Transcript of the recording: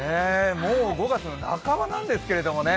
もう５月の半ばなんですけどね。